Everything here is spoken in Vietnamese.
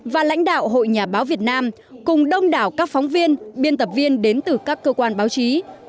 và lãnh đạo hội nhà báo việt nam cùng đông đảo các phóng viên biên tập viên đến từ các cơ quan báo chí